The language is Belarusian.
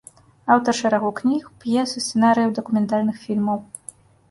Аўтар шэрагу кніг, п'ес і сцэнарыяў дакументальных фільмаў.